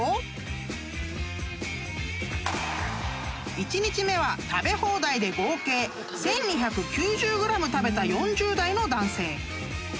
［１日目は食べ放題で合計１，２９０ｇ食べた４０代の男性］